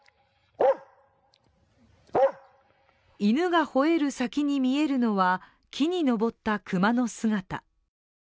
犬がほえる先に見えるのは、木に登った熊の姿。